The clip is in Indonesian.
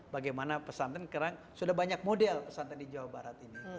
bagaimana pesantren sekarang sudah banyak model pesantren di jawa barat ini